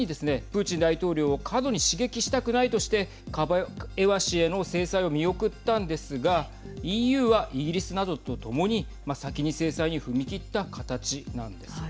プーチン大統領を過度に刺激したくないとしてカバエワ氏への制裁を見送ったんですがＥＵは、イギリスなどとともに先に制裁に踏み切った形なんです。